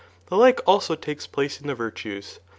The like also take^ place in the virtues.